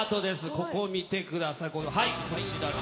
ここを見てください。